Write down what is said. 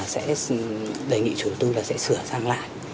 sẽ đề nghị chủ đầu tư là sẽ sửa sang lại